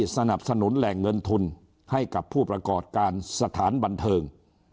สนับสนุนแหล่งเงินทุนให้กับผู้ประกอบการสถานบันเทิง